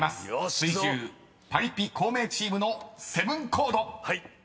水１０パリピ孔明チームのセブンコード］